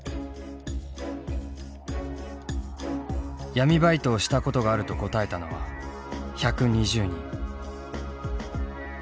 闇バイトをしたことがあると答えたのは１２０人。